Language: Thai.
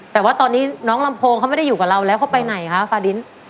แต่ว่าตอนนี้น้องลำโพงเขาไม่ได้อยู่กับเราแล้วเขาไปไหนคะฟาดิน